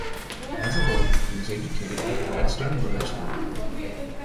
As a boy, he was educated at Gladstone Road School.